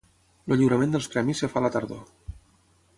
El lliurament dels premis es fa a la tardor.